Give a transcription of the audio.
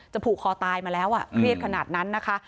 ผูกคอตายมาแล้วเครียดขนาดนั้นนะคะ